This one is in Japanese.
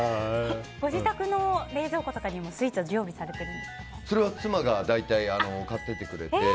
ご自宅の冷蔵庫とかにもスイーツはそれは妻が大体買っててくれて。